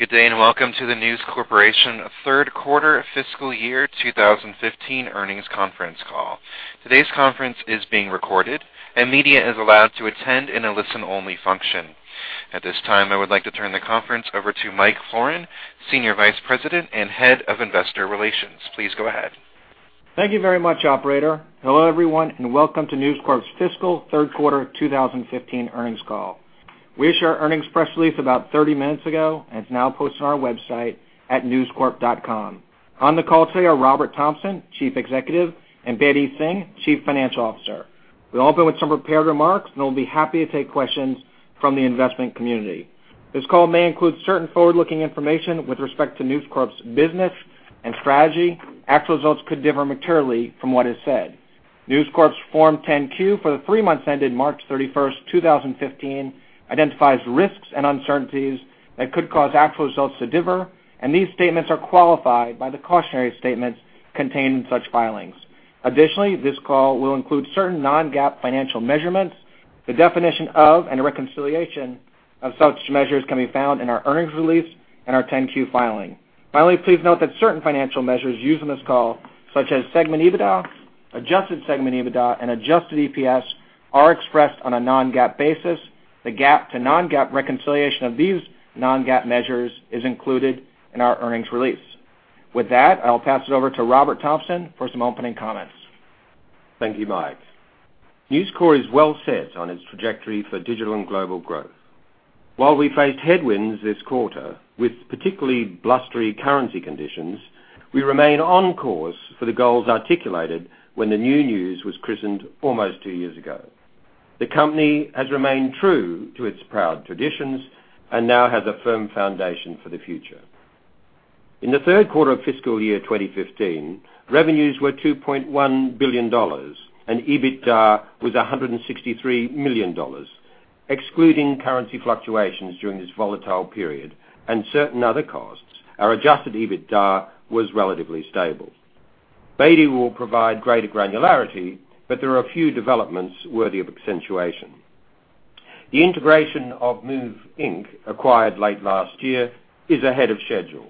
Good day, and welcome to the News Corporation third quarter fiscal year 2015 earnings conference call. Today's conference is being recorded, and media is allowed to attend in a listen-only function. At this time, I would like to turn the conference over to Michael Florin, Senior Vice President and Head of Investor Relations. Please go ahead. Thank you very much, operator. Hello, everyone, and welcome to News Corp's fiscal third quarter 2015 earnings call. We issued our earnings press release about 30 minutes ago, and it's now posted on our website at newscorp.com. On the call today are Robert Thomson, Chief Executive, and Bedi Singh, Chief Financial Officer. We'll open with some prepared remarks, then we'll be happy to take questions from the investment community. This call may include certain forward-looking information with respect to News Corp's business and strategy. Actual results could differ materially from what is said. News Corp's Form 10-Q for the three months ended March 31st, 2015, identifies risks and uncertainties that could cause actual results to differ, and these statements are qualified by the cautionary statements contained in such filings. Additionally, this call will include certain non-GAAP financial measurements. The definition of and reconciliation of such measures can be found in our earnings release and our 10-Q filing. Finally, please note that certain financial measures used in this call, such as segment EBITDA, adjusted segment EBITDA, and adjusted EPS, are expressed on a non-GAAP basis. The GAAP to non-GAAP reconciliation of these non-GAAP measures is included in our earnings release. With that, I'll pass it over to Robert Thomson for some opening comments. Thank you, Mike. News Corp is well set on its trajectory for digital and global growth. While we faced headwinds this quarter, with particularly blustery currency conditions, we remain on course for the goals articulated when the new News was christened almost two years ago. The company has remained true to its proud traditions and now has a firm foundation for the future. In the third quarter of fiscal year 2015, revenues were $2.1 billion, and EBITDA was $163 million. Excluding currency fluctuations during this volatile period and certain other costs, our adjusted EBITDA was relatively stable. Bedi will provide greater granularity, but there are a few developments worthy of accentuation. The integration of Move, Inc., acquired late last year, is ahead of schedule,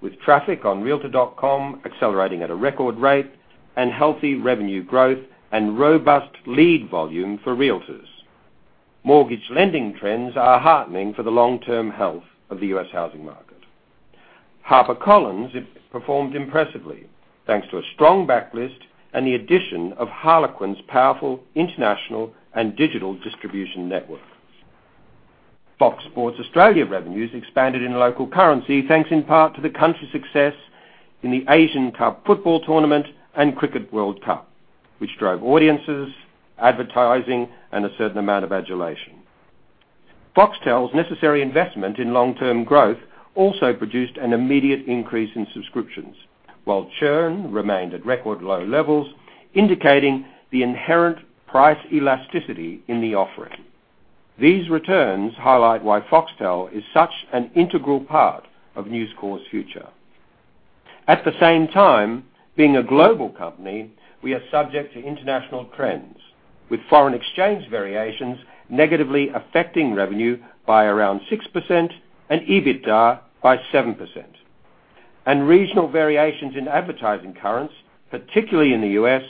with traffic on realtor.com accelerating at a record rate and healthy revenue growth and robust lead volume for Realtors. Mortgage lending trends are heartening for the long-term health of the U.S. housing market. HarperCollins performed impressively thanks to a strong backlist and the addition of Harlequin's powerful international and digital distribution network. Fox Sports Australia revenues expanded in local currency, thanks in part to the country's success in the Asian Cup football tournament and Cricket World Cup, which drove audiences, advertising, and a certain amount of adulation. Foxtel's necessary investment in long-term growth also produced an immediate increase in subscriptions, while churn remained at record low levels, indicating the inherent price elasticity in the offering. These returns highlight why Foxtel is such an integral part of News Corp's future. At the same time, being a global company, we are subject to international trends, with foreign exchange variations negatively affecting revenue by around 6% and EBITDA by 7%. Regional variations in advertising currents, particularly in the U.S.,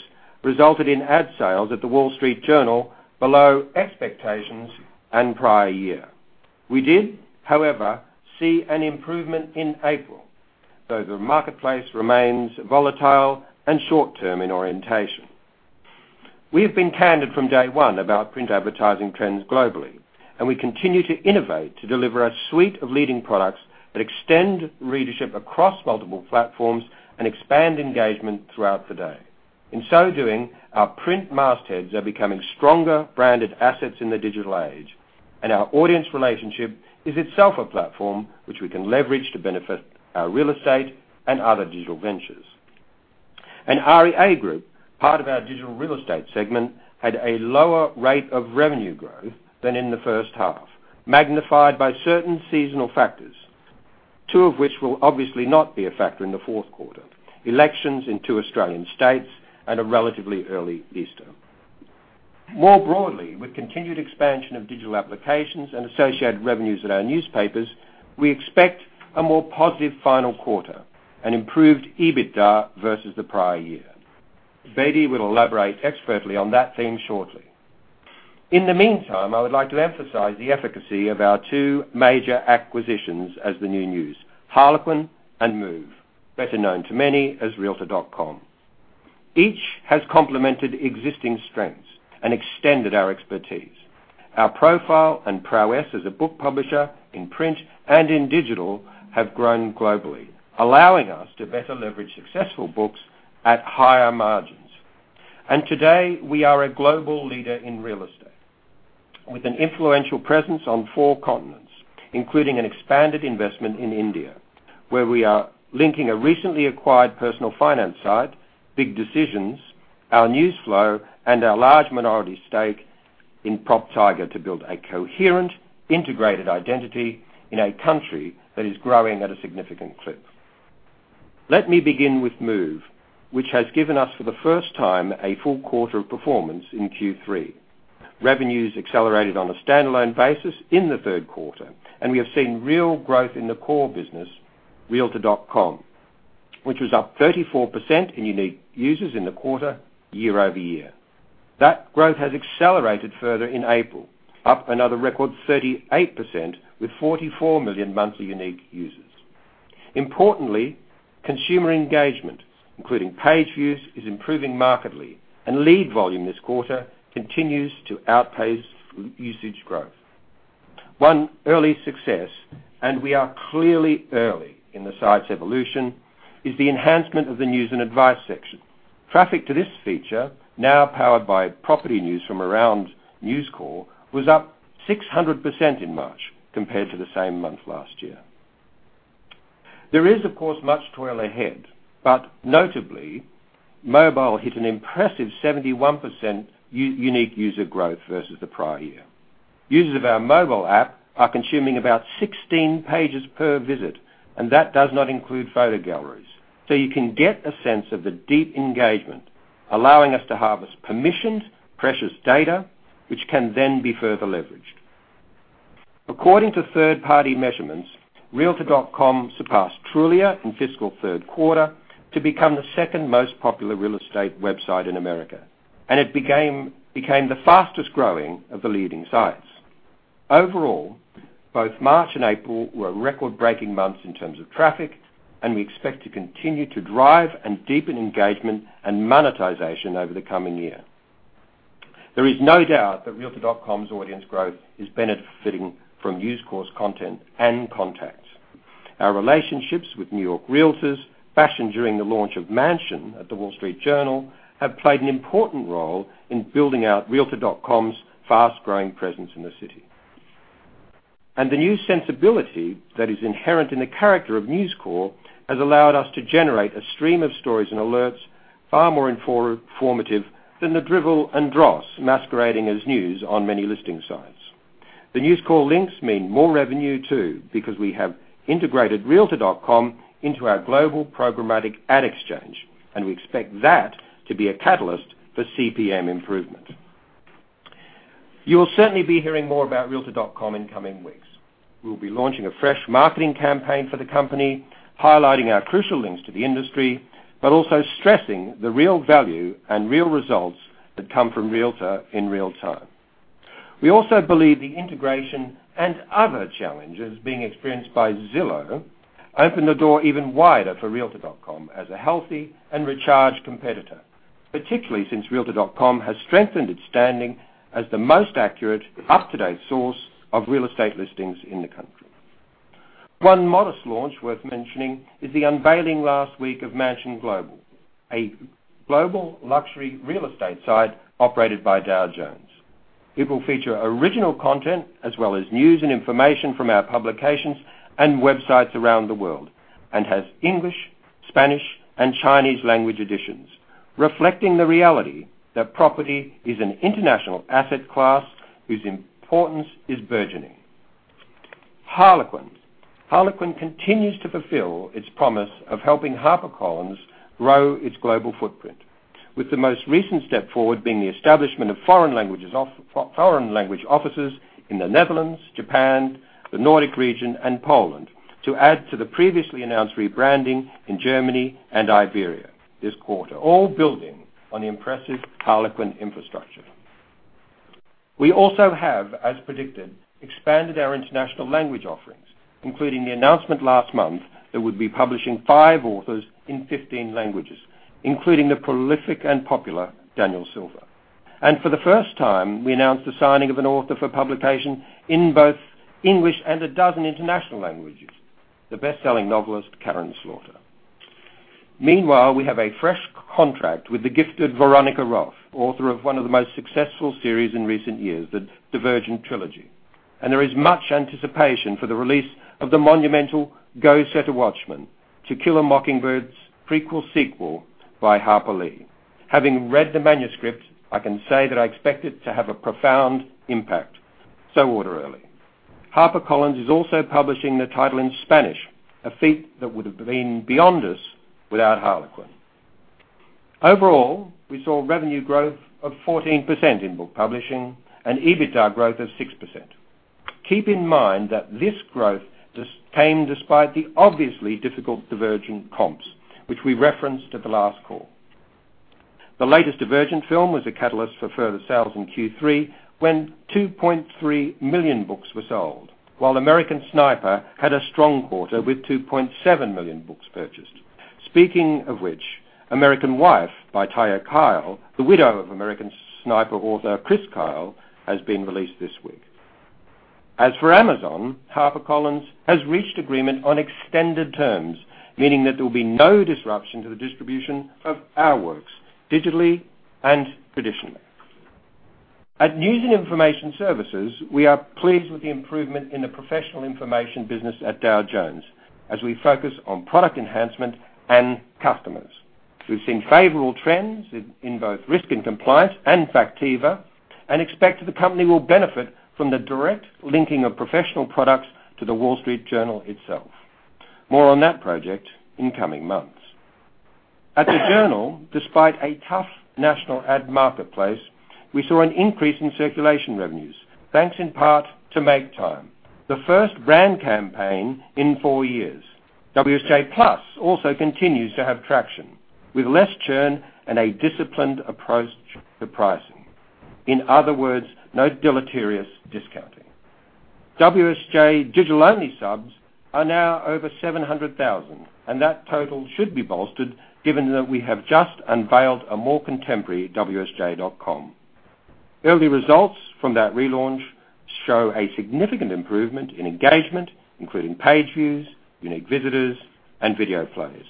resulted in ad sales at The Wall Street Journal below expectations and prior year. We did, however, see an improvement in April, though the marketplace remains volatile and short-term in orientation. We have been candid from day one about print advertising trends globally. We continue to innovate to deliver a suite of leading products that extend readership across multiple platforms and expand engagement throughout the day. In so doing, our print mastheads are becoming stronger branded assets in the digital age. Our audience relationship is itself a platform which we can leverage to benefit our real estate and other digital ventures. REA Group, part of our digital real estate segment, had a lower rate of revenue growth than in the first half, magnified by certain seasonal factors, two of which will obviously not be a factor in the fourth quarter: elections in two Australian states and a relatively early Easter. More broadly, with continued expansion of digital applications and associated revenues at our newspapers, we expect a more positive final quarter and improved EBITDA versus the prior year. Bedi will elaborate expertly on that theme shortly. In the meantime, I would like to emphasize the efficacy of our two major acquisitions as the new News, Harlequin and Move, better known to many as realtor.com. Each has complemented existing strengths and extended our expertise. Our profile and prowess as a book publisher in print and in digital have grown globally, allowing us to better leverage successful books at higher margins. Today, we are a global leader in real estate with an influential presence on four continents, including an expanded investment in India, where we are linking a recently acquired personal finance site, BigDecisions.com, our news flow, and our large minority stake in PropTiger to build a coherent, integrated identity in a country that is growing at a significant clip. Let me begin with Move, which has given us, for the first time, a full quarter of performance in Q3. Revenues accelerated on a standalone basis in the third quarter. We have seen real growth in the core business, realtor.com, which was up 34% in unique users in the quarter year-over-year. That growth has accelerated further in April, up another record 38%, with 44 million monthly unique users. Importantly, consumer engagement, including page views, is improving markedly, and lead volume this quarter continues to outpace usage growth. One early success, and we are clearly early in the site's evolution, is the enhancement of the news and advice section. Traffic to this feature, now powered by property news from around News Corp, was up 600% in March compared to the same month last year. There is, of course, much toil ahead, but notably, mobile hit an impressive 71% unique user growth versus the prior year. Users of our mobile app are consuming about 16 pages per visit, and that does not include photo galleries. You can get a sense of the deep engagement, allowing us to harvest permissions, precious data, which can then be further leveraged. According to third-party measurements, realtor.com surpassed Trulia in fiscal third quarter to become the second most popular real estate website in America. It became the fastest-growing of the leading sites. Overall, both March and April were record-breaking months in terms of traffic, and we expect to continue to drive and deepen engagement and monetization over the coming year. There is no doubt that realtor.com's audience growth is benefiting from News Corp's content and contacts. Our relationships with New York Realtors, fashioned during the launch of Mansion at The Wall Street Journal, have played an important role in building out realtor.com's fast-growing presence in the city. The new sensibility that is inherent in the character of News Corp has allowed us to generate a stream of stories and alerts far more informative than the drivel and dross masquerading as news on many listing sites. The News Corp links mean more revenue too, because we have integrated realtor.com into our global programmatic ad exchange, and we expect that to be a catalyst for CPM improvement. You will certainly be hearing more about realtor.com in coming weeks. We'll be launching a fresh marketing campaign for the company, highlighting our crucial links to the industry, but also stressing the real value and real results that come from Realtor in real time. We also believe the integration and other challenges being experienced by Zillow open the door even wider for realtor.com as a healthy and recharged competitor. Particularly since realtor.com has strengthened its standing as the most accurate up-to-date source of real estate listings in the country. One modest launch worth mentioning is the unveiling last week of Mansion Global, a global luxury real estate site operated by Dow Jones. It will feature original content as well as news and information from our publications and websites around the world and has English, Spanish, and Chinese language editions, reflecting the reality that property is an international asset class whose importance is burgeoning. Harlequin. Harlequin continues to fulfill its promise of helping HarperCollins grow its global footprint, with the most recent step forward being the establishment of foreign language offices in the Netherlands, Japan, the Nordic region, and Poland to add to the previously announced rebranding in Germany and Iberia this quarter, all building on the impressive Harlequin infrastructure. We also have, as predicted, expanded our international language offerings, including the announcement last month that we'd be publishing five authors in 15 languages, including the prolific and popular Daniel Silva. For the first time, we announced the signing of an author for publication in both English and a dozen international languages, the best-selling novelist, Karin Slaughter. Meanwhile, we have a fresh contract with the gifted Veronica Roth, author of one of the most successful series in recent years, "The Divergent" trilogy. There is much anticipation for the release of the monumental "Go Set a Watchman," "To Kill a Mockingbird's" prequel sequel by Harper Lee. Having read the manuscript, I can say that I expect it to have a profound impact. So order early. HarperCollins is also publishing the title in Spanish, a feat that would have been beyond us without Harlequin. Overall, we saw revenue growth of 14% in book publishing and EBITDA growth of 6%. Keep in mind that this growth came despite the obviously difficult Divergent comps, which we referenced at the last call. The latest Divergent film was a catalyst for further sales in Q3 when 2.3 million books were sold, while American Sniper had a strong quarter with 2.7 million books purchased. Speaking of which, "American Wife" by Taya Kyle, the widow of American Sniper author Chris Kyle, has been released this week. As for Amazon, HarperCollins has reached agreement on extended terms, meaning that there will be no disruption to the distribution of our works digitally and traditionally. At News and Information Services, we are pleased with the improvement in the professional information business at Dow Jones as we focus on product enhancement and customers. We've seen favorable trends in both Risk & Compliance and Factiva, and expect the company will benefit from the direct linking of professional products to The Wall Street Journal itself. More on that project in coming months. At The Journal, despite a tough national ad marketplace, we saw an increase in circulation revenues, thanks in part to Make Time, the first brand campaign in four years. WSJ+ also continues to have traction, with less churn and a disciplined approach to pricing. In other words, no deleterious discounting. WSJ digital-only subs are now over 700,000, and that total should be bolstered given that we have just unveiled a more contemporary wsj.com. Early results from that relaunch show a significant improvement in engagement, including page views, unique visitors, and video plays.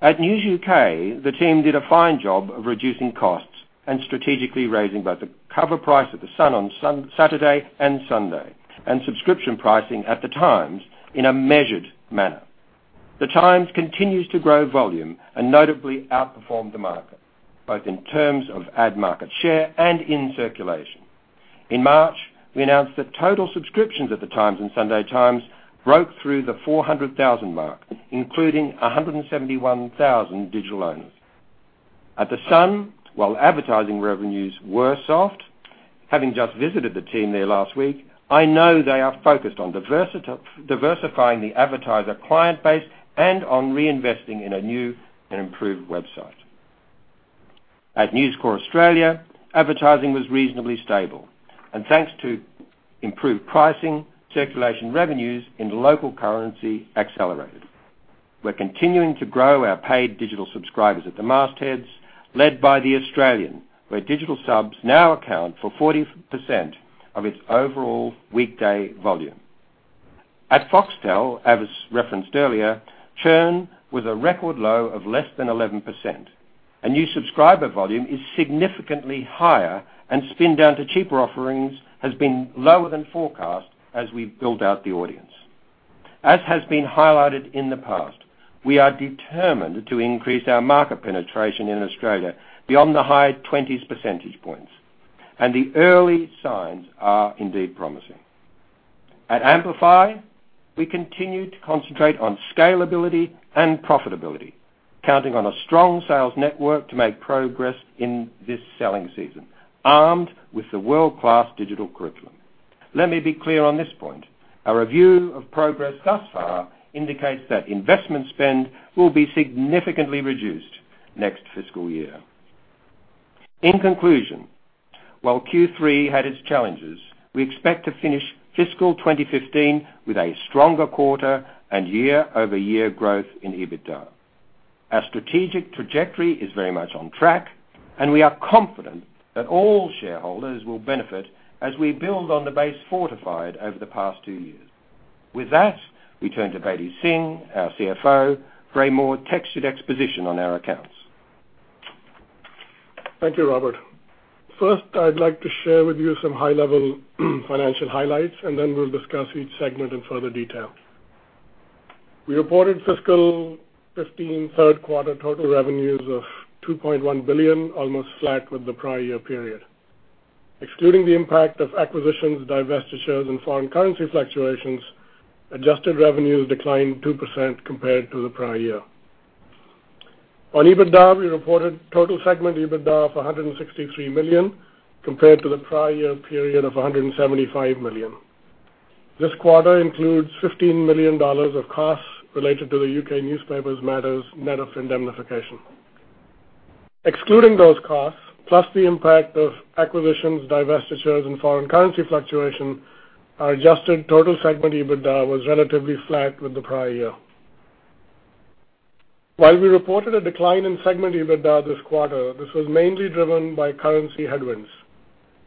At News UK, the team did a fine job of reducing costs and strategically raising both the cover price of The Sun on Saturday and Sunday, and subscription pricing at The Times in a measured manner. The Times continues to grow volume and notably outperformed the market, both in terms of ad market share and in circulation. In March, we announced that total subscriptions at The Times and The Sunday Times broke through the 400,000 mark, including 171,000 digital-only. At The Sun, while advertising revenues were soft, having just visited the team there last week, I know they are focused on diversifying the advertiser client base and on reinvesting in a new and improved website. At News Corp Australia, advertising was reasonably stable. Thanks to improved pricing, circulation revenues in the local currency accelerated. We're continuing to grow our paid digital subscribers at the mastheads, led by The Australian, where digital subs now account for 40% of its overall weekday volume. At Foxtel, as referenced earlier, churn was a record low of less than 11%. New subscriber volume is significantly higher, and spin down to cheaper offerings has been lower than forecast as we've built out the audience. As has been highlighted in the past, we are determined to increase our market penetration in Australia beyond the high 20s percentage points, and the early signs are indeed promising. At Amplify, we continue to concentrate on scalability and profitability, counting on a strong sales network to make progress in this selling season, armed with the world-class digital curriculum. Let me be clear on this point. Our review of progress thus far indicates that investment spend will be significantly reduced next fiscal year. In conclusion, while Q3 had its challenges, we expect to finish fiscal 2015 with a stronger quarter and year-over-year growth in EBITDA. Our strategic trajectory is very much on track, and we are confident that all shareholders will benefit as we build on the base fortified over the past two years. With that, we turn to Bedi Singh, our CFO, for a more textured exposition on our accounts. Thank you, Robert. First, I'd like to share with you some high-level financial highlights, then we'll discuss each segment in further detail. We reported fiscal 2015 third quarter total revenues of $2.1 billion, almost flat with the prior year period. Excluding the impact of acquisitions, divestitures, and foreign currency fluctuations, adjusted revenues declined 2% compared to the prior year. On EBITDA, we reported total segment EBITDA of $163 million, compared to the prior year period of $175 million. This quarter includes $15 million of costs related to the U.K. newspapers matters net of indemnification. Excluding those costs, plus the impact of acquisitions, divestitures, and foreign currency fluctuation, our adjusted total segment EBITDA was relatively flat with the prior year. While we reported a decline in segment EBITDA this quarter, this was mainly driven by currency headwinds,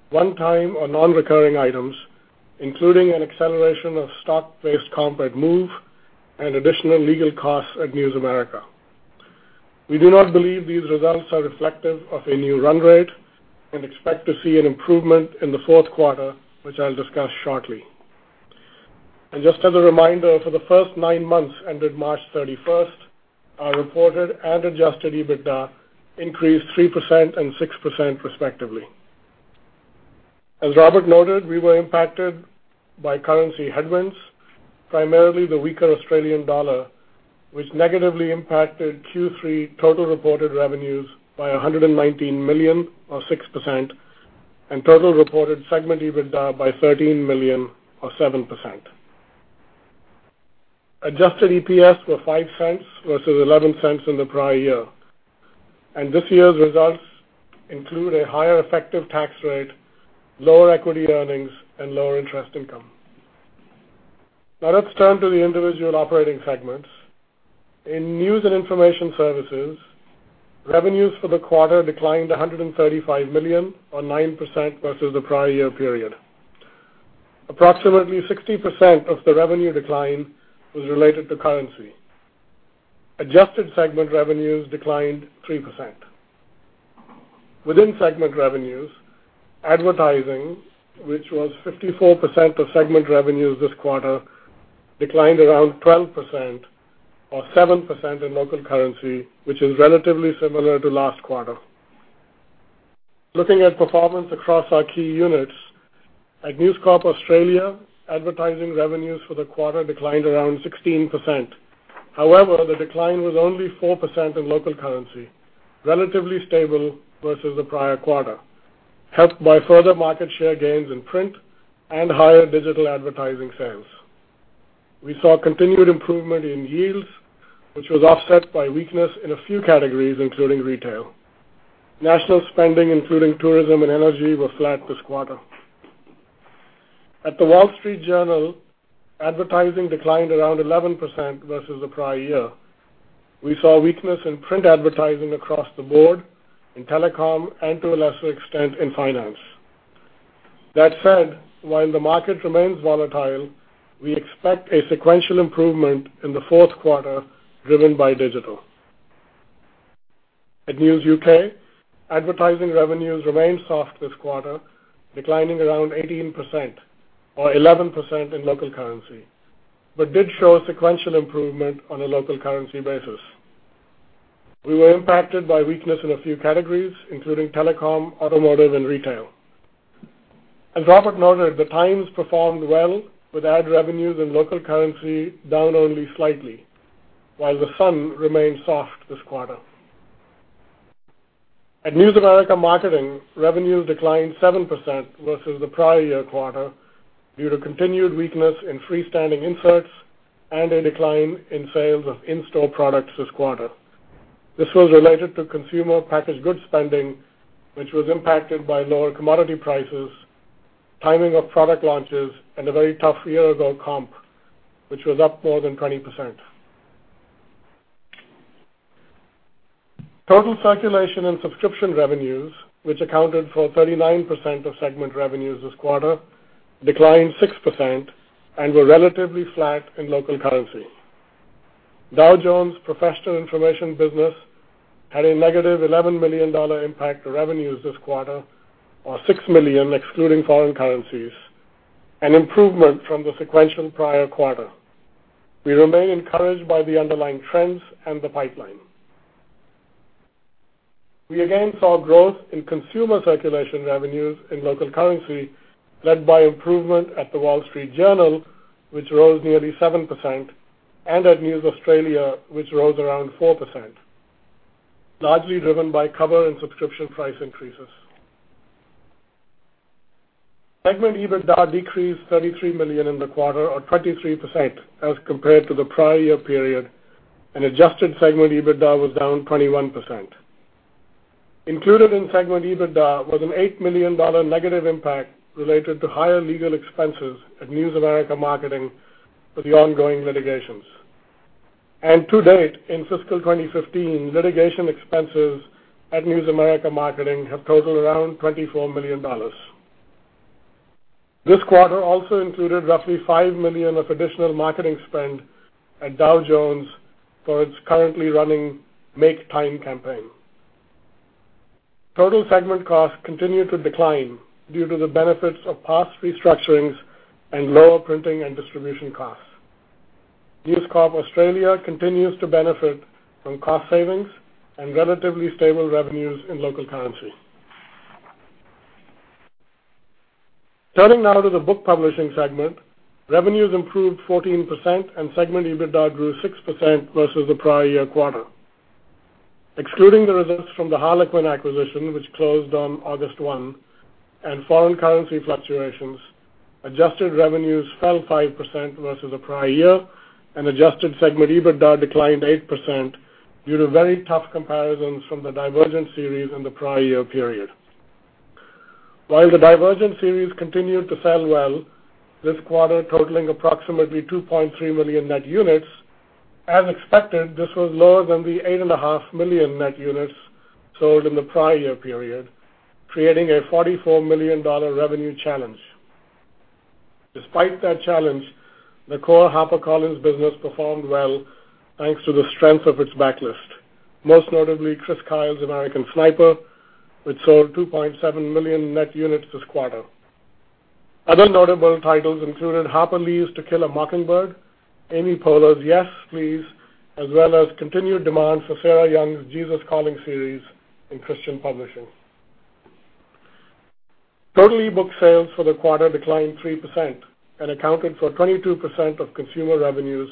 one-time or non-recurring items, including an acceleration of stock-based comp at Move and additional legal costs at News America. We do not believe these results are reflective of a new run rate and expect to see an improvement in the fourth quarter, which I'll discuss shortly. Just as a reminder, for the first nine months ended March 31st, our reported and adjusted EBITDA increased 3% and 6% respectively. As Robert noted, we were impacted by currency headwinds, primarily the weaker Australian dollar, which negatively impacted Q3 total reported revenues by 119 million, or 6%, and total reported segment EBITDA by 13 million, or 7%. Adjusted EPS were $0.05 versus $0.11 in the prior year. This year's results include a higher effective tax rate, lower equity earnings, and lower interest income. Now let's turn to the individual operating segments. In news and information services, revenues for the quarter declined to $135 million on 9% versus the prior year period. Approximately 60% of the revenue decline was related to currency. Adjusted segment revenues declined 3%. Within segment revenues, advertising, which was 54% of segment revenues this quarter, declined around 12%, or 7% in local currency, which is relatively similar to last quarter. Looking at performance across our key units, at News Corp Australia, advertising revenues for the quarter declined around 16%. However, the decline was only 4% in local currency, relatively stable versus the prior quarter, helped by further market share gains in print and higher digital advertising sales. We saw continued improvement in yields, which was offset by weakness in a few categories, including retail. National spending, including tourism and energy, were flat this quarter. At The Wall Street Journal, advertising declined around 11% versus the prior year. We saw weakness in print advertising across the board, in telecom, and to a lesser extent, in finance. That said, while the market remains volatile, we expect a sequential improvement in the fourth quarter driven by digital. At News UK, advertising revenues remained soft this quarter, declining around 18%, or 11% in local currency, but did show sequential improvement on a local currency basis. We were impacted by weakness in a few categories, including telecom, automotive, and retail. As Robert noted, The Times performed well with ad revenues in local currency down only slightly, while The Sun remained soft this quarter. At News America Marketing, revenues declined 7% versus the prior year quarter due to continued weakness in freestanding inserts and a decline in sales of in-store products this quarter. This was related to consumer packaged good spending, which was impacted by lower commodity prices, timing of product launches, and a very tough year ago comp, which was up more than 20%. Total circulation and subscription revenues, which accounted for 39% of segment revenues this quarter, declined 6% and were relatively flat in local currency. Dow Jones' Professional Information business had a negative $11 million impact to revenues this quarter, or $6 million excluding foreign currencies, an improvement from the sequential prior quarter. We remain encouraged by the underlying trends and the pipeline. We again saw growth in consumer circulation revenues in local currency led by improvement at The Wall Street Journal, which rose nearly 7%, and at News Australia, which rose around 4%, largely driven by cover and subscription price increases. Segment EBITDA decreased $33 million in the quarter, or 23% as compared to the prior year period, and adjusted segment EBITDA was down 21%. Included in segment EBITDA was an $8 million negative impact related to higher legal expenses at News America Marketing for the ongoing litigations. To date, in fiscal 2015, litigation expenses at News America Marketing have totaled around $24 million. This quarter also included roughly $5 million of additional marketing spend at Dow Jones for its currently running Make Time campaign. Total segment costs continued to decline due to the benefits of past restructurings and lower printing and distribution costs. News Corp Australia continues to benefit from cost savings and relatively stable revenues in local currency. Turning now to the Book Publishing Segment, revenues improved 14% and segment EBITDA grew 6% versus the prior year quarter. Excluding the results from the Harlequin acquisition, which closed on August 1, and foreign currency fluctuations, adjusted revenues fell 5% versus the prior year and adjusted segment EBITDA declined 8% due to very tough comparisons from the Divergent series in the prior year period. While the Divergent series continued to sell well, this quarter totaling approximately 2.3 million net units, as expected, this was lower than the 8.5 million net units sold in the prior year period, creating a $44 million revenue challenge. Despite that challenge, the core HarperCollins business performed well thanks to the strength of its backlist, most notably Chris Kyle's American Sniper, which sold 2.7 million net units this quarter. Other notable titles included Harper Lee's To Kill a Mockingbird, Amy Poehler's Yes Please, as well as continued demand for Sarah Young's Jesus Calling series in Christian publishing. Total e-book sales for the quarter declined 3% and accounted for 22% of consumer revenues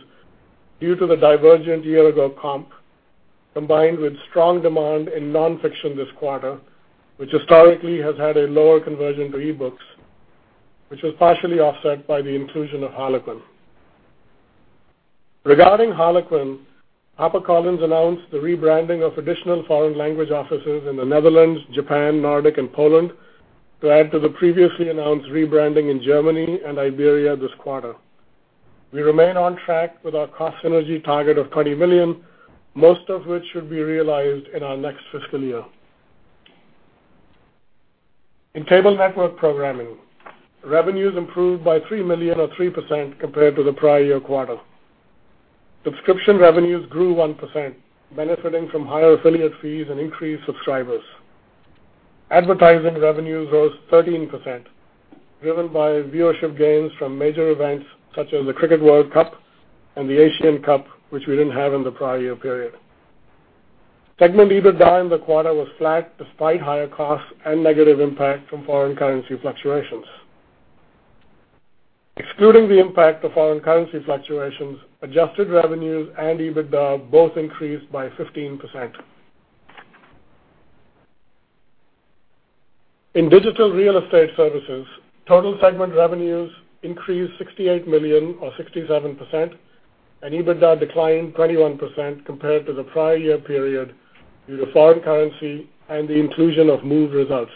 due to the Divergent year ago comp, combined with strong demand in nonfiction this quarter, which historically has had a lower conversion to e-books, which was partially offset by the inclusion of Harlequin. Regarding Harlequin, HarperCollins announced the rebranding of additional foreign language offices in the Netherlands, Japan, Nordic, and Poland to add to the previously announced rebranding in Germany and Iberia this quarter. We remain on track with our cost synergy target of $20 million, most of which should be realized in our next fiscal year. In Cable Network Programming, revenues improved by $3 million or 3% compared to the prior year quarter. Subscription revenues grew 1%, benefiting from higher affiliate fees and increased subscribers. Advertising revenues rose 13%, driven by viewership gains from major events such as the Cricket World Cup and the Asian Cup, which we didn't have in the prior year period. Segment EBITDA in the quarter was flat despite higher costs and negative impact from foreign currency fluctuations. Excluding the impact of foreign currency fluctuations, adjusted revenues and EBITDA both increased by 15%. In Digital Real Estate Services, total segment revenues increased $68 million or 67%, and EBITDA declined 21% compared to the prior year period due to foreign currency and the inclusion of Move results.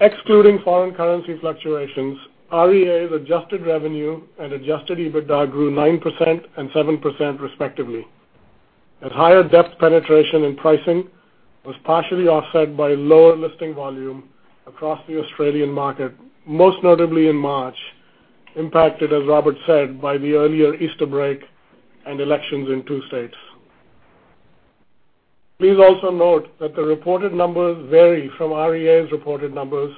Excluding foreign currency fluctuations, REA's adjusted revenue and adjusted EBITDA grew 9% and 7% respectively. Higher depth penetration and pricing was partially offset by lower listing volume across the Australian market, most notably in March, impacted, as Robert said, by the earlier Easter break and elections in two states. Please also note that the reported numbers vary from REA's reported numbers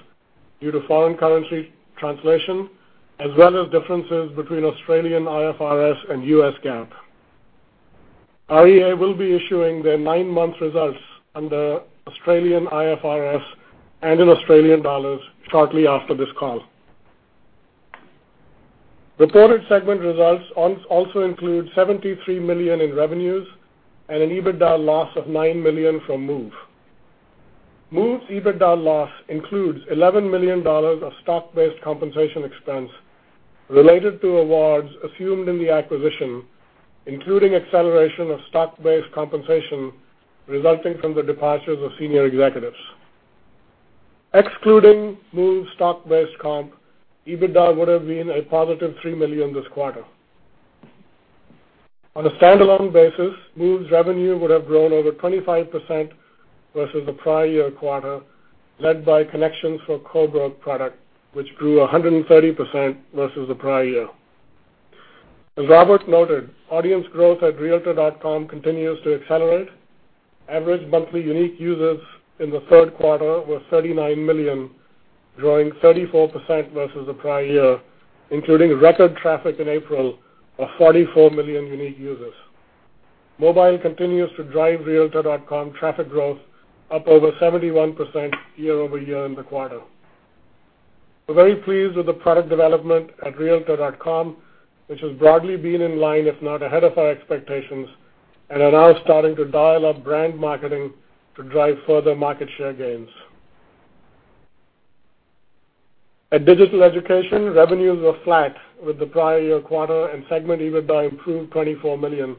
due to foreign currency translation, as well as differences between Australian IFRS and U.S. GAAP. REA will be issuing their nine-month results under Australian IFRS and in Australian dollars shortly after this call. Reported segment results also include $73 million in revenues and an EBITDA loss of $9 million from Move. Move's EBITDA loss includes $11 million of stock-based compensation expense related to awards assumed in the acquisition, including acceleration of stock-based compensation resulting from the departures of senior executives. Excluding Move's stock-based comp, EBITDA would've been a positive $3 million this quarter. On a standalone basis, Move's revenue would have grown over 25% versus the prior year quarter, led by Connections for Co-Brokerage product, which grew 130% versus the prior year. As Robert noted, audience growth at realtor.com continues to accelerate. Average monthly unique users in the third quarter were 39 million, growing 34% versus the prior year, including record traffic in April of 44 million unique users. Mobile continues to drive realtor.com traffic growth up over 71% year-over-year in the quarter. We're very pleased with the product development at realtor.com, which has broadly been in line, if not ahead of our expectations, and are now starting to dial up brand marketing to drive further market share gains. At Digital Education, revenues were flat with the prior year quarter and segment EBITDA improved $24 million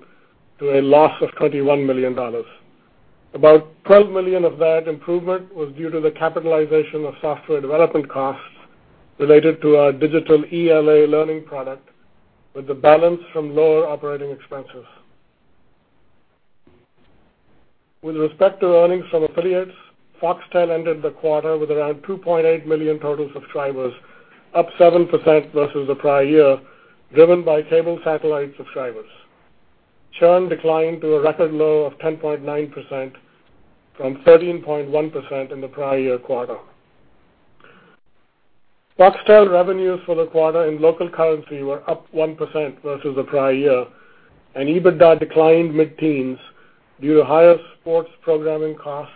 to a loss of $21 million. About $12 million of that improvement was due to the capitalization of software development costs related to our digital ELA learning product with the balance from lower operating expenses. With respect to earnings from affiliates, Foxtel ended the quarter with around 2.8 million total subscribers, up 7% versus the prior year, driven by cable satellite subscribers. Churn declined to a record low of 10.9% from 13.1% in the prior year quarter. Foxtel revenues for the quarter in local currency were up 1% versus the prior year, and EBITDA declined mid-teens due to higher sports programming costs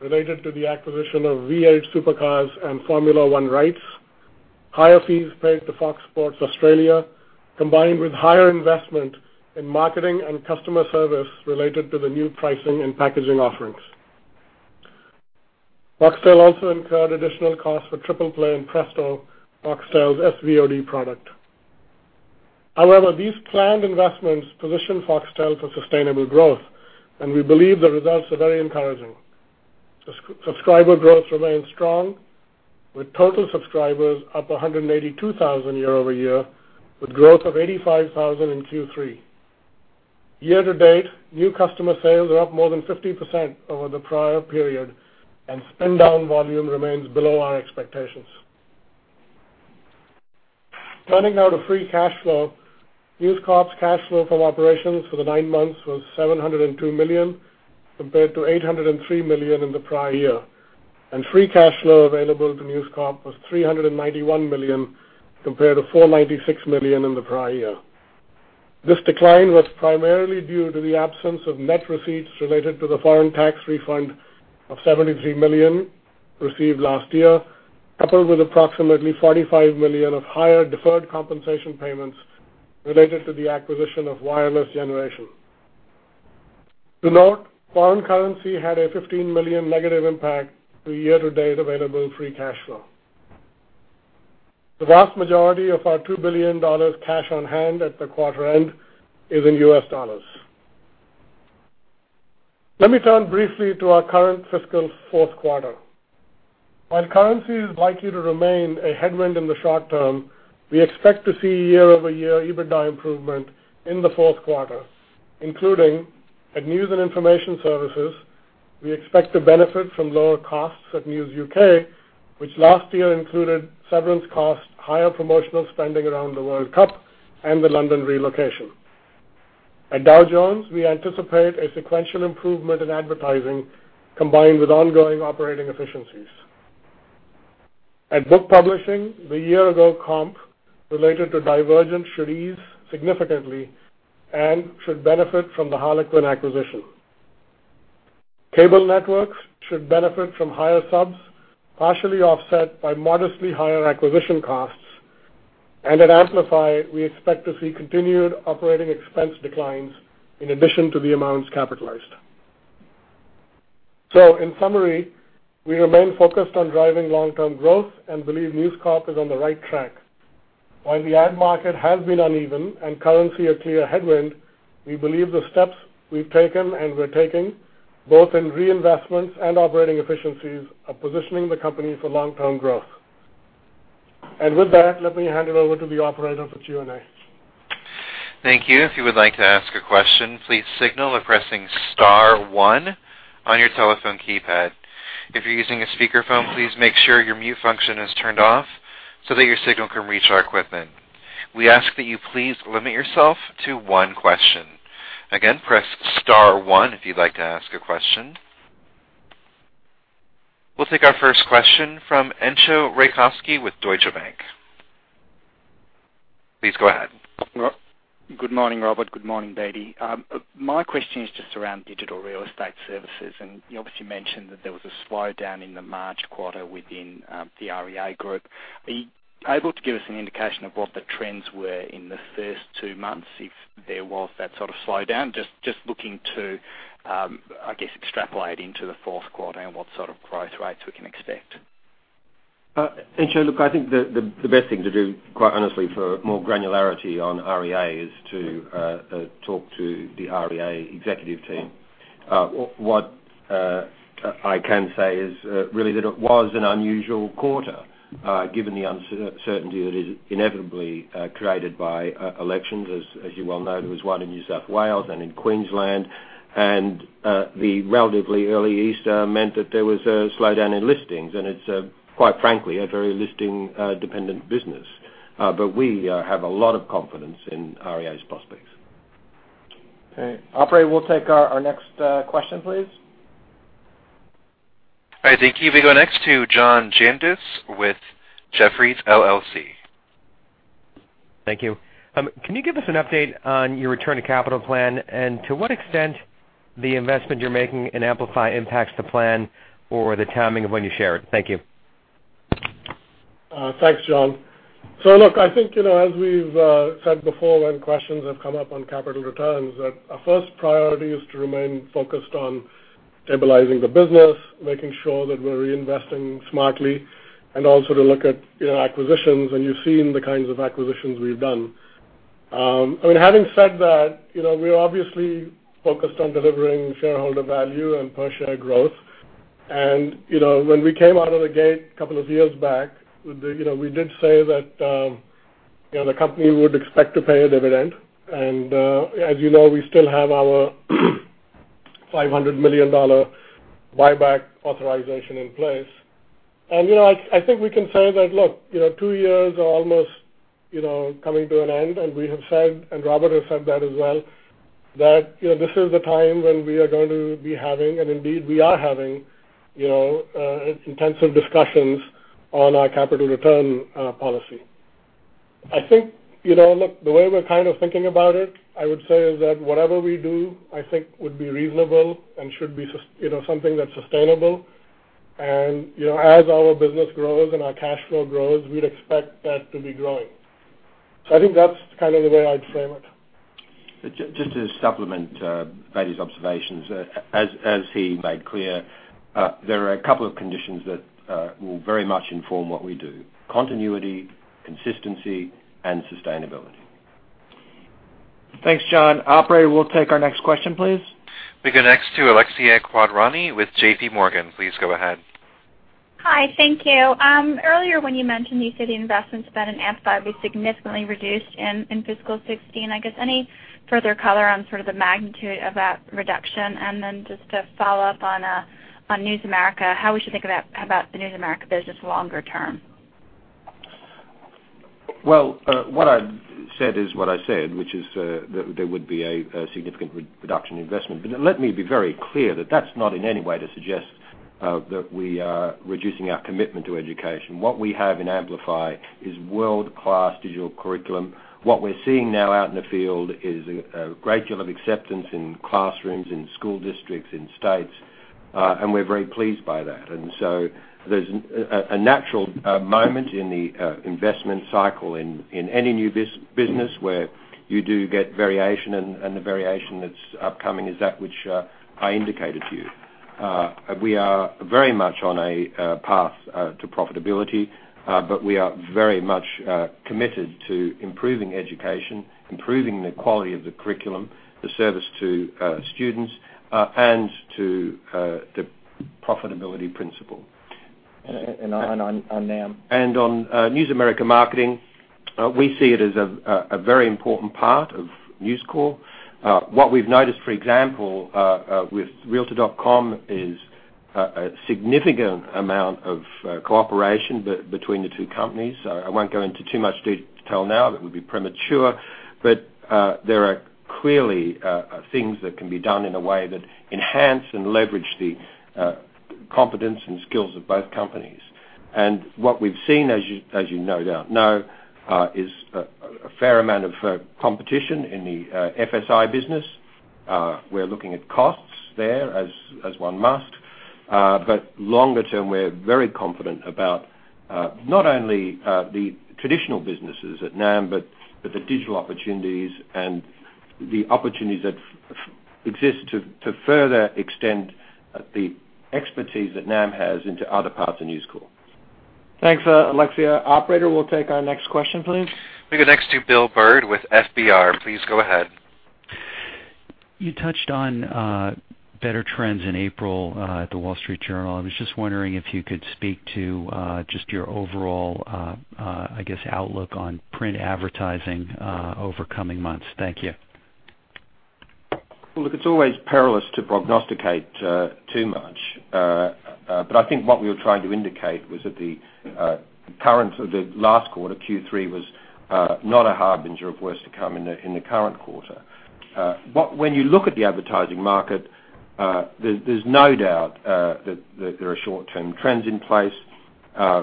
related to the acquisition of V8 Supercars and Formula One rights, higher fees paid to Fox Sports Australia, combined with higher investment in marketing and customer service related to the new pricing and packaging offerings. Foxtel also incurred additional costs for Triple Play and Presto, Foxtel's SVOD product. These planned investments position Foxtel for sustainable growth, and we believe the results are very encouraging. Subscriber growth remains strong, with total subscribers up 182,000 year-over-year, with growth of 85,000 in Q3. Year-to-date, new customer sales are up more than 50% over the prior period, and spin-down volume remains below our expectations. Turning now to free cash flow, News Corp's cash flow from operations for the nine months was $702 million, compared to $803 million in the prior year. Free cash flow available to News Corp was $391 million, compared to $496 million in the prior year. This decline was primarily due to the absence of net receipts related to the foreign tax refund of $73 million received last year, coupled with approximately $45 million of higher deferred compensation payments related to the acquisition of Wireless Generation. To note, foreign currency had a $15 million negative impact to year-to-date available free cash flow. The vast majority of our $2 billion cash on hand at the quarter end is in U.S. dollars. Let me turn briefly to our current fiscal fourth quarter. While currency is likely to remain a headwind in the short term, we expect to see year-over-year EBITDA improvement in the fourth quarter, including at News and Information Services. We expect to benefit from lower costs at News UK, which last year included severance costs, higher promotional spending around the World Cup, and the London relocation. At Dow Jones, we anticipate a sequential improvement in advertising combined with ongoing operating efficiencies. At Book Publishing, the year-ago comp related to Divergent should ease significantly and should benefit from the Harlequin acquisition. Cable Networks should benefit from higher subs, partially offset by modestly higher acquisition costs. At Amplify, we expect to see continued operating expense declines in addition to the amounts capitalized. In summary, we remain focused on driving long-term growth and believe News Corp is on the right track. While the ad market has been uneven and currency a clear headwind, we believe the steps we've taken and we're taking, both in reinvestments and operating efficiencies, are positioning the company for long-term growth. With that, let me hand it over to the operator for Q&A. Thank you. If you would like to ask a question, please signal by pressing star one on your telephone keypad. If you're using a speakerphone, please make sure your mute function is turned off so that your signal can reach our equipment. We ask that you please limit yourself to one question. Again, press star one if you'd like to ask a question. We'll take our first question from Entcho Raykovski with Deutsche Bank. Please go ahead. Good morning, Robert. Good morning, Bedi. My question is just around digital real estate services, you obviously mentioned that there was a slowdown in the March quarter within the REA Group. Are you able to give us an indication of what the trends were in the first two months, if there was that sort of slowdown? Just looking to, I guess, extrapolate into the fourth quarter and what sort of growth rates we can expect. Entcho, look, I think the best thing to do, quite honestly, for more granularity on REA, is to talk to the REA executive team. What I can say is really that it was an unusual quarter, given the uncertainty that is inevitably created by elections. As you well know, there was one in New South Wales and in Queensland, the relatively early Easter meant that there was a slowdown in listings, and it's quite frankly a very listing-dependent business. We have a lot of confidence in REA's prospects. Okay. Operator, we'll take our next question, please. All right, thank you. We go next to John Janedis with Jefferies LLC. Thank you. Can you give us an update on your return on capital plan, and to what extent the investment you're making in Amplify impacts the plan or the timing of when you share it? Thank you. Thanks, John. Look, I think as we've said before, when questions have come up on capital returns, that our first priority is to remain focused on stabilizing the business, making sure that we're reinvesting smartly, and also to look at acquisitions, and you've seen the kinds of acquisitions we've done. Having said that, we're obviously focused on delivering shareholder value and per-share growth. When we came out of the gate a couple of years back, we did say that the company would expect to pay a dividend. As you know, we still have our $500 million buyback authorization in place. I think we can say that, look, two years are almost coming to an end, and we have said, and Robert has said that as well, that this is the time when we are going to be having, and indeed we are having intensive discussions on our capital return policy. I think, look, the way we're kind of thinking about it, I would say, is that whatever we do, I think would be reasonable and should be something that's sustainable. As our business grows and our cash flow grows, we'd expect that to be growing. I think that's kind of the way I'd frame it. Just to supplement Bedi's observations, as he made clear, there are a couple of conditions that will very much inform what we do. Continuity, consistency and sustainability. Thanks, John. Operator, we'll take our next question, please. We go next to Alexia Quadrani with J.P. Morgan. Please go ahead. Hi, thank you. Earlier when you mentioned you said the investments spent in Amplify will be significantly reduced in fiscal 2016, I guess any further color on sort of the magnitude of that reduction? Just to follow up on News America, how we should think about the News America business longer term? Well, what I said is what I said, which is that there would be a significant reduction in investment. Let me be very clear that that's not in any way to suggest that we are reducing our commitment to education. What we have in Amplify is world-class digital curriculum. What we're seeing now out in the field is a great deal of acceptance in classrooms, in school districts, in states, and we're very pleased by that. There's a natural moment in the investment cycle in any new business where you do get variation, and the variation that's upcoming is that which I indicated to you. We are very much on a path to profitability, but we are very much committed to improving education, improving the quality of the curriculum, the service to students, and to the profitability principle. On NAM. On News America Marketing, we see it as a very important part of News Corp. What we've noticed, for example, with realtor.com is a significant amount of cooperation between the two companies. I won't go into too much detail now. That would be premature, but there are clearly things that can be done in a way that enhance and leverage the competence and skills of both companies. What we've seen, as you no doubt know, is a fair amount of competition in the FSI business. We're looking at costs there as one must. Longer term, we're very confident about not only the traditional businesses at NAM, but the digital opportunities and the opportunities that exist to further extend the expertise that NAM has into other parts of News Corp. Thanks, Alexia. Operator, we'll take our next question, please. We go next to William Bird with FBR. Please go ahead. You touched on better trends in April at The Wall Street Journal. I was just wondering if you could speak to just your overall, I guess, outlook on print advertising over coming months. Thank you. Well, look, it's always perilous to prognosticate too much. I think what we were trying to indicate was that the last quarter, Q3, was not a harbinger of worse to come in the current quarter. When you look at the advertising market, there's no doubt that there are short-term trends in place.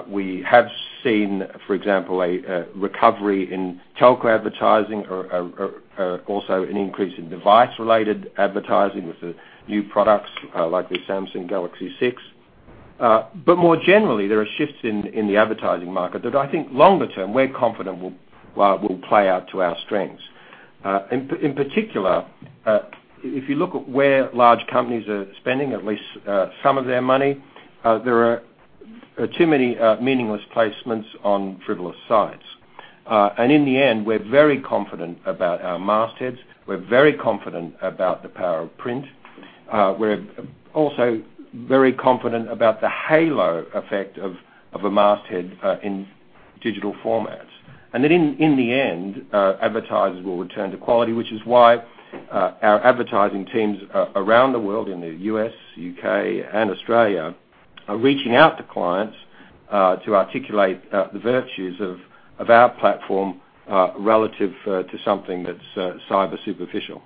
We have seen, for example, a recovery in telco advertising or also an increase in device-related advertising with the new products, like the Samsung Galaxy S6. More generally, there are shifts in the advertising market that I think longer term, we're confident will play out to our strengths. In particular, if you look at where large companies are spending at least some of their money, there are too many meaningless placements on frivolous sites. In the end, we're very confident about our mastheads. We're very confident about the power of print. We're also very confident about the halo effect of a masthead in digital formats. That in the end, advertisers will return to quality, which is why our advertising teams around the world, in the U.S., U.K., and Australia, are reaching out to clients to articulate the virtues of our platform relative to something that's cyber superficial.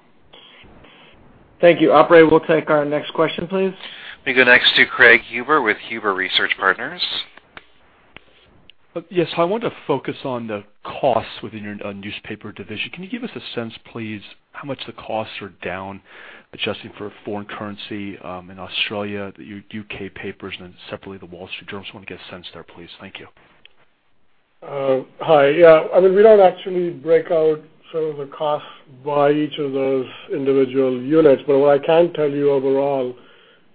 Thank you. Operator, we'll take our next question, please. Let me go next to Craig Huber with Huber Research Partners. Yes. I want to focus on the costs within your newspaper division. Can you give us a sense, please, how much the costs are down, adjusting for foreign currency in Australia, the U.K. papers, and then separately, The Wall Street Journal? I just want to get a sense there, please. Thank you. Hi. Yeah, we don't actually break out some of the costs by each of those individual units. What I can tell you overall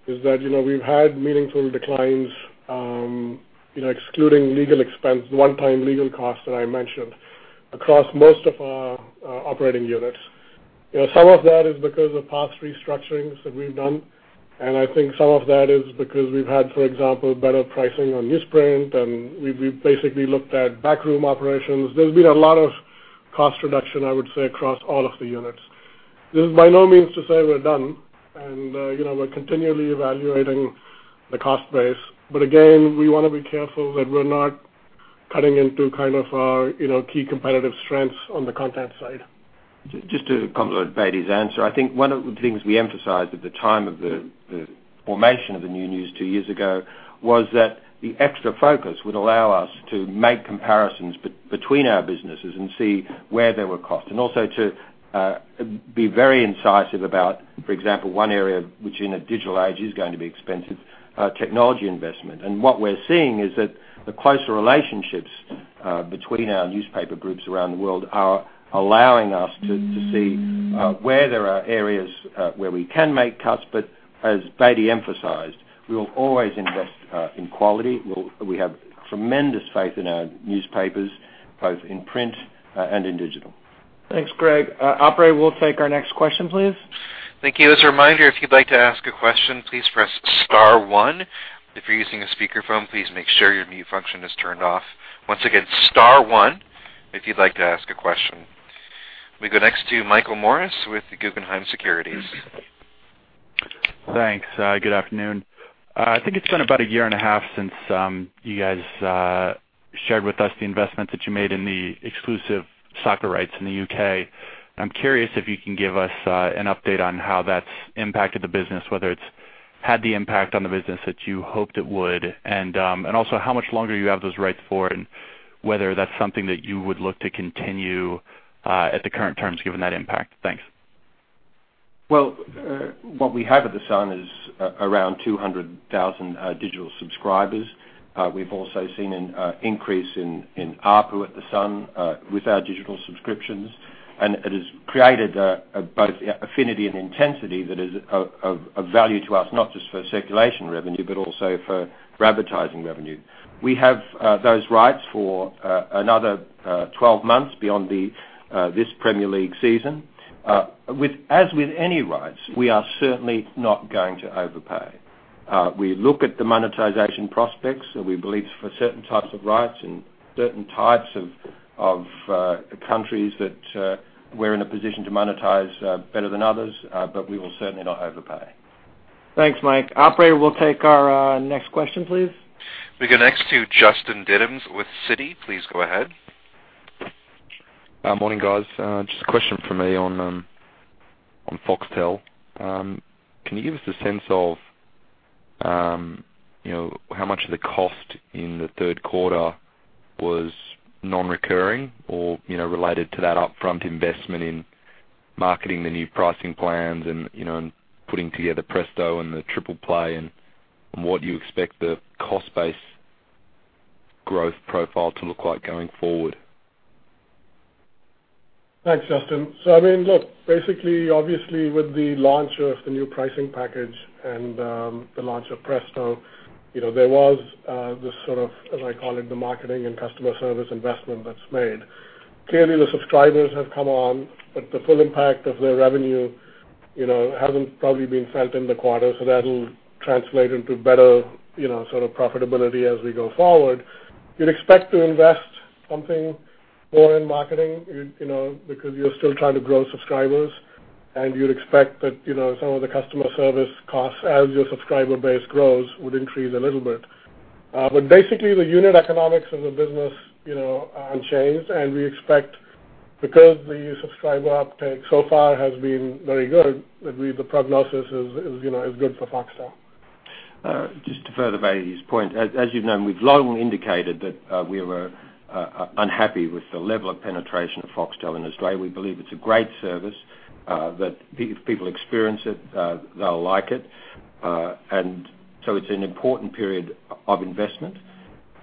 is that we've had meaningful declines excluding legal expense, the one-time legal cost that I mentioned, across most of our operating units. Some of that is because of past restructurings that we've done, and I think some of that is because we've had, for example, better pricing on newsprint, and we basically looked at backroom operations. There's been a lot of cost reduction, I would say, across all of the units. This is by no means to say we're done, and we're continually evaluating the cost base. Again, we want to be careful that we're not cutting into our key competitive strengths on the content side. Just to complement Bedi's answer, I think one of the things we emphasized at the time of the formation of the new News two years ago was that the extra focus would allow us to make comparisons between our businesses and see where there were costs, and also to be very incisive about, for example, one area which in a digital age is going to be expensive, technology investment. What we're seeing is that the closer relationships between our newspaper groups around the world are allowing us to see where there are areas where we can make cuts. As Bedi emphasized, we will always invest in quality. We have tremendous faith in our newspapers, both in print and in digital. Thanks, Craig. Operator, we'll take our next question, please. Thank you. As a reminder, if you'd like to ask a question, please press star one. If you're using a speakerphone, please make sure your mute function is turned off. Once again, star one if you'd like to ask a question. Let me go next to Michael Morris with the Guggenheim Securities. Thanks. Good afternoon. I think it's been about a year and a half since you guys shared with us the investment that you made in the exclusive soccer rights in the U.K. I'm curious if you can give us an update on how that's impacted the business, whether it's had the impact on the business that you hoped it would, and also how much longer you have those rights for, and whether that's something that you would look to continue at the current terms given that impact. Thanks. Well, what we have at The Sun is around 200,000 digital subscribers. We've also seen an increase in ARPU at The Sun with our digital subscriptions. It has created both affinity and intensity that is of value to us, not just for circulation revenue, but also for advertising revenue. We have those rights for another 12 months beyond this Premier League season. As with any rights, we are certainly not going to overpay. We look at the monetization prospects. We believe for certain types of rights and certain types of countries that we're in a position to monetize better than others. We will certainly not overpay. Thanks, Mike. Operator, we'll take our next question, please. We go next to Justin Diddams with Citi. Please go ahead. Morning, guys. Just a question from me on Foxtel. Can you give us a sense of how much of the cost in the third quarter was non-recurring or related to that upfront investment in marketing the new pricing plans and putting together Presto and the Triple Play, and what do you expect the cost base growth profile to look like going forward? Thanks, Justin. Basically, obviously with the launch of the new pricing package and the launch of Presto, there was this, as I call it, the marketing and customer service investment that's made. Clearly, the subscribers have come on, but the full impact of their revenue hasn't probably been felt in the quarter, so that'll translate into better profitability as we go forward. You'd expect to invest something more in marketing, because you're still trying to grow subscribers, and you'd expect that some of the customer service costs as your subscriber base grows would increase a little bit. Basically, the unit economics of the business unchanged, and we expect because the subscriber uptake so far has been very good, that the prognosis is good for Foxtel. Just to further Bedi's point, as you've known, we've long indicated that we were unhappy with the level of penetration of Foxtel in Australia. We believe it's a great service, that if people experience it, they'll like it. It's an important period of investment.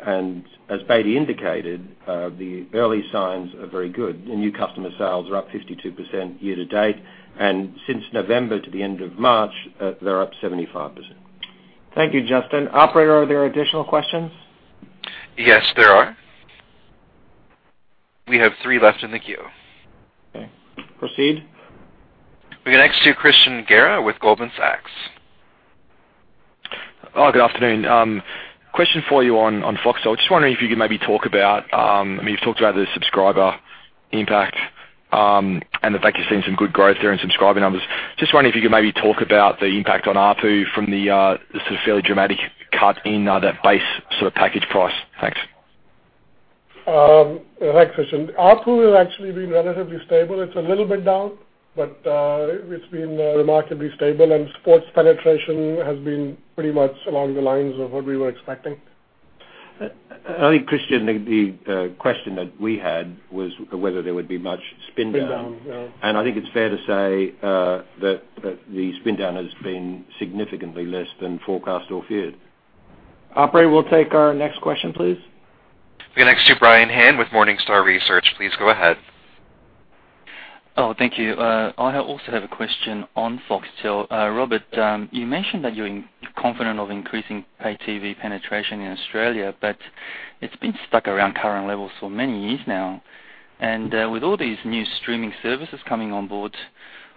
As Bedi indicated, the early signs are very good. The new customer sales are up 52% year to date, and since November to the end of March, they're up 75%. Thank you, Justin. Operator, are there additional questions? Yes, there are. We have three left in the queue. Okay, proceed. We go next to Christian Guerra with Goldman Sachs. Good afternoon. Question for you on Foxtel. I'm just wondering if you could maybe talk about, you've talked about the subscriber impact, and the fact you're seeing some good growth there in subscriber numbers. Just wondering if you could maybe talk about the impact on ARPU from the fairly dramatic cut in that base package price. Thanks. Thanks, Christian. ARPU has actually been relatively stable. It's a little bit down, but it's been remarkably stable. Sports penetration has been pretty much along the lines of what we were expecting. I think, Christian, the question that we had was whether there would be much spin down. Spin down, yeah. I think it's fair to say that the spin down has been significantly less than forecast or feared. Operator, we'll take our next question, please. We go next to Brian Han with Morningstar Research. Please go ahead. Thank you. I also have a question on Foxtel. Robert, you mentioned that you're confident of increasing pay TV penetration in Australia, but it's been stuck around current levels for many years now. With all these new streaming services coming on board,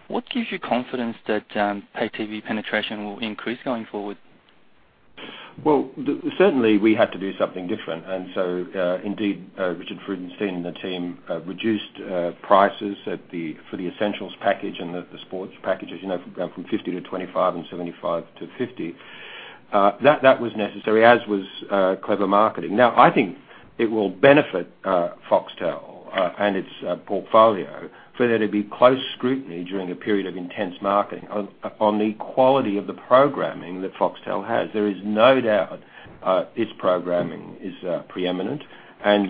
what gives you confidence that pay TV penetration will increase going forward? Well, certainly we have to do something different. Indeed, Richard Freudenstein and the team reduced prices for the essentials package and the sports packages, from 50 to 25 and 75 to 50. That was necessary, as was clever marketing. Now, I think it will benefit Foxtel and its portfolio for there to be close scrutiny during a period of intense marketing on the quality of the programming that Foxtel has. There is no doubt its programming is preeminent.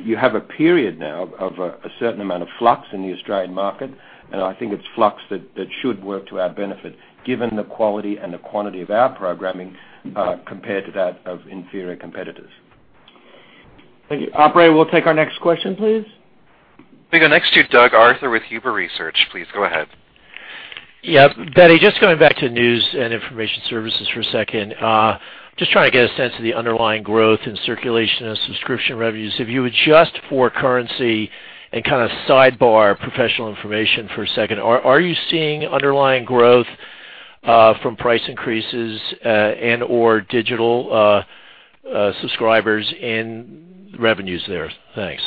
You have a period now of a certain amount of flux in the Australian market, and I think it's flux that should work to our benefit, given the quality and the quantity of our programming compared to that of inferior competitors. Thank you. Operator, we'll take our next question, please. We go next to Doug Arthur with Huber Research Partners. Please go ahead. Yeah. Bedi, just going back to News and Information Services for a second. Just trying to get a sense of the underlying growth in circulation of subscription revenues. If you adjust for currency and kind of sidebar professional information for a second, are you seeing underlying growth from price increases, and/or digital subscribers and revenues there? Thanks.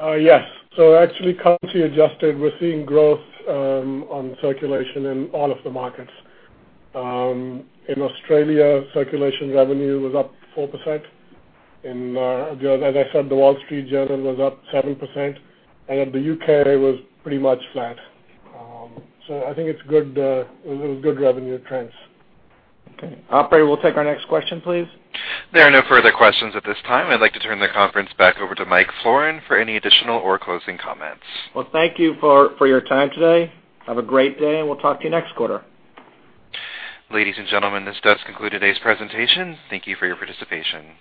Yes. Actually, currency adjusted, we're seeing growth on circulation in all of the markets. In Australia, circulation revenue was up 4%. As I said, The Wall Street Journal was up 7%, and the U.K. was pretty much flat. I think it was good revenue trends. Okay. Operator, we'll take our next question, please. There are no further questions at this time. I'd like to turn the conference back over to Michael Florin for any additional or closing comments. Well, thank you for your time today. Have a great day, and we'll talk to you next quarter. Ladies and gentlemen, this does conclude today's presentation. Thank you for your participation.